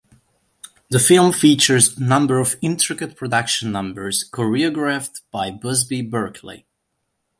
The film features a number of intricate production numbers choreographed by Busby Berkeley.